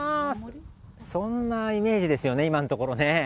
そんなイメージですよね、今のところね。